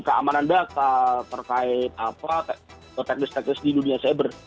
keamanan data terkait teknis teknis di dunia cyber